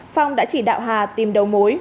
phong đã chỉ đạo hà tìm đầu mối